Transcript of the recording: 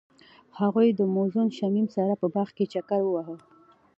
هغوی د موزون شمیم سره په باغ کې چکر وواهه.